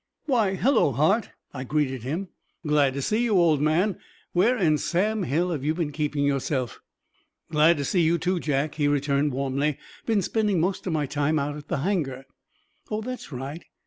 "Why, hello, Hart," I greeted him. "Glad to see you, old man. Where in Sam Hill have you been keeping yourself?" "Glad to see you, too, Jack," he returned warmly. "Been spending most of my time out at the hangar." "Oh, that's right.